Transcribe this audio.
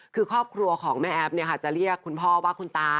คือครอบครัวของแม่แอฟจะเรียกคุณพ่อว่าคุณตา